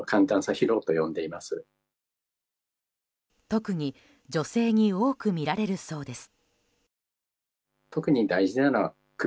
特に女性に多く見られるそうです。